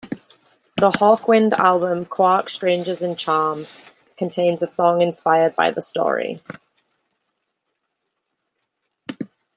The Hawkwind album "Quark, Strangeness and Charm" contains a song inspired by the story.